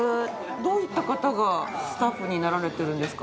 どういった方がスタッフになられてるんですか？